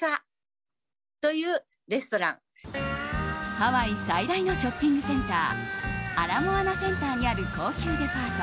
ハワイ最大のショッピングセンターアラモアナセンターにある高級デパート